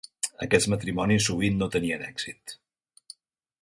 Aquests matrimonis sovint no tenien èxit.